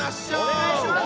お願いします！